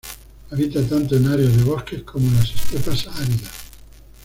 Habita tanto en áreas de bosques como en las estepas áridas.